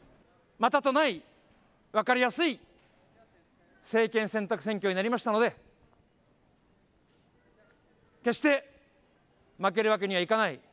またとない分かりやすい政権選択選挙になりましたので、決して負けるわけにはいかない。